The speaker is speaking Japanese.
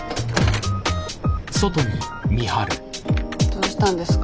どうしたんですか？